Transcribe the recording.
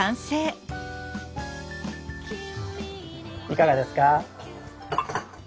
いかがですか？